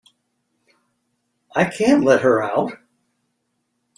I can't let her out.